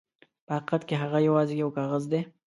په حقیقت کې هغه یواځې یو کاغذ دی.